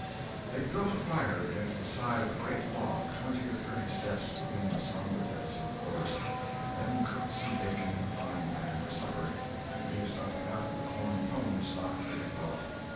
They built a fire against the side of a great log twenty or thirty steps within the sombre depths of the forest, and then cooked some bacon in the frying pan for supper, and used up half of the corn "pone" stock they had brought.